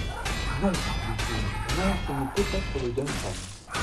Non, dit-il, non ce ne peut être le Duncan